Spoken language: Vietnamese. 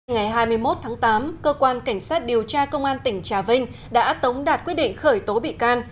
ngày hai mươi một tháng tám cơ quan cảnh sát điều tra công an tỉnh trà vinh đã tống đạt quyết định khởi tố bị can